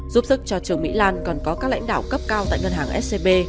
giúp sức cho trường mỹ lan còn có các lãnh đạo cấp cao tại ngân hàng scb